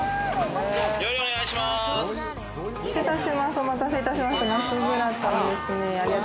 お待たせいたしました。